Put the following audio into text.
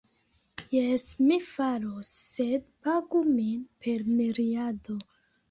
Jes, mi faros. Sed pagu min per miriado